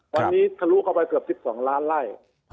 วันนี้ทะลุเข้าไปเกือบ๑๒ล้านไล่